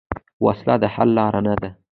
وسله د حل لار نه ده